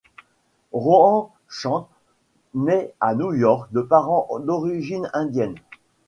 Rohan Chand naît à New York de parents d'origine indienne.